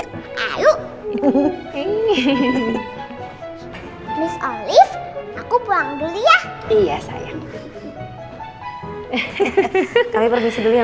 sayang tuh ada papa di sini